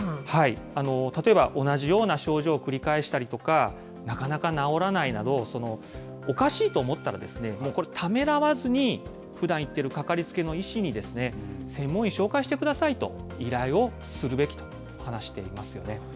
例えば、同じような症状を繰り返したりとか、なかなか治らないなど、おかしいと思ったら、もうこれ、ためらわずに、ふだん行ってるかかりつけの医師に、専門医紹介してくださいと、依頼をするべきと話していますよね。